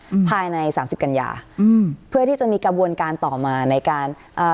อืมภายในสามสิบกัญญาอืมเพื่อที่จะมีกระบวนการต่อมาในการอ่า